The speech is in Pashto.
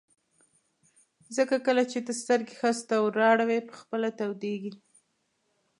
ځکه کله چې ته سترګې ښځو ته ور اړوې په خپله تودېږي.